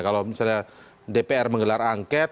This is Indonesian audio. kalau misalnya dpr menggelar angket